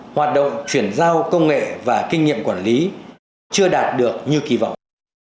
hoạt động chuyển giao công nghệ và kinh nghiệm quản lý chưa đạt được như kỳ vọng